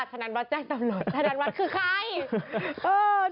แจ้งตำรวจท่านท่านวัดคือใคร